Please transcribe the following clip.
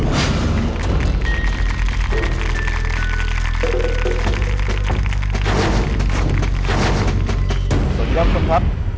สวัสดีครับคุณผู้ชมครับ